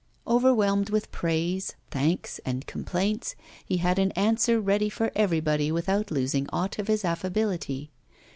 Overwhelmed with praise, thanks, and complaints, he had an answer ready for everybody without losing aught of his affability.